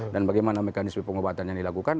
dan bagaimana mekanisme pengobatan yang dilakukan